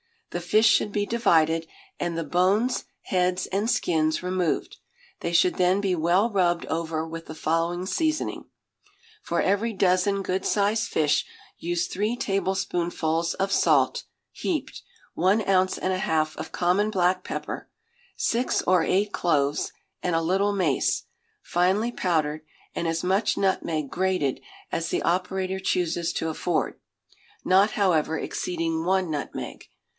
The fish should be divided, and the bones, heads, and skins removed; they should then be well rubbed over with the following seasoning: For every dozen good sized fish use three tablespoonfuls of salt (heaped), one ounce and a half of common black pepper, six or eight cloves, and a little mace, finely powdered, and as much nutmeg, grated, as the operator chooses to afford, not, however, exceeding one nutmeg.